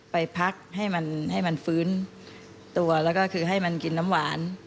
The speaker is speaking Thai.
ไปพักให้มันให้มันฟื้นตัวแล้วก็คือให้มันกินน้ำหวาน